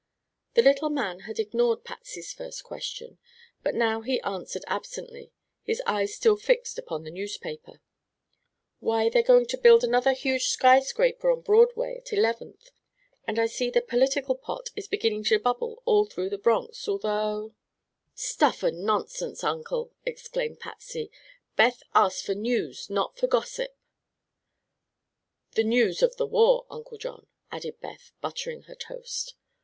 The little man had ignored Patsy's first question, but now he answered absently, his eyes still fixed upon the newspaper: "Why, they're going to build another huge skyscraper on Broadway, at Eleventh, and I see the political pot is beginning to bubble all through the Bronx, although " "Stuff and nonsense, Uncle!" exclaimed Patsy. "Beth asked for news, not for gossip." "The news of the war, Uncle John," added Beth, buttering her toast.